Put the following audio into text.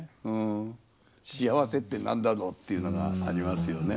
幸せって何だろうっていうのがありますよね。